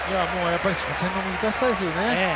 初戦の難しさですよね。